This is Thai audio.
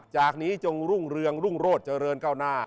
จากนี้จงรุ่งเรืองรุ่งโรธเจริญก้าวหน้า